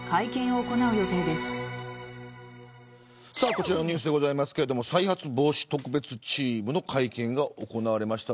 こちらのニュースですけど再発防止特別チームの会見が行われました。